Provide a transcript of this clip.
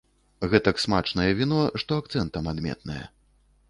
Гэтак смачнае віно, што акцэнтам адметнае.